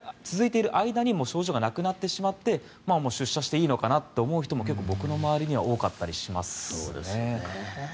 そういった状況が続いている間にも症状がなくなってしまってもう出社していいのかなと思う人も結構、僕の周りには多かったりしますね。